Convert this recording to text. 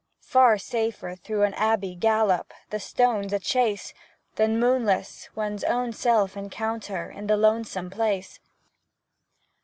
Far safer through an Abbey gallop, The stones achase, Than, moonless, one's own self encounter In lonesome place.